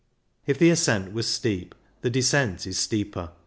If the ascent was steep, the descent is steeper.